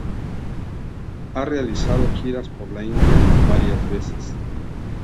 Ha realizado giras por la India varias veces.